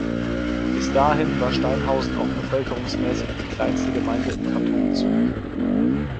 Bis dahin war Steinhausen auch bevölkerungsmässig die kleinste Gemeinde im Kanton Zug.